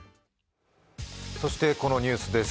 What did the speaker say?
このニュースです。